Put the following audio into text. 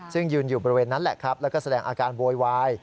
ซึ่งยืนอยู่บริเวณนั้นแหละครับแล้วก็แสดงอาการโวยวาย